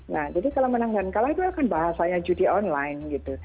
nah jadi kalau menang dan kalah itu akan bahasanya judi online gitu